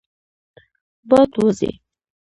باد وزي.